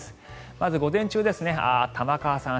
まず午前中、玉川さん